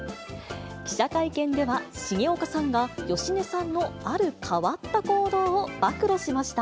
記者会見では、重岡さんが芳根さんのある変わった行動を暴露しました。